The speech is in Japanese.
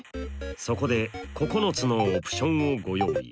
そこで９つのオプションをご用意。